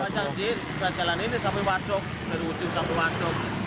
sepanjang jalan ini sampai masuk dari ujung sampai masuk